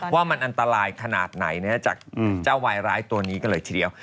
ว่ามันอันตรายขนาดไหนจากเจ้าวายร้ายตัวนี้กันเลยทีเดียว